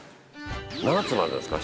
「７つまでですか？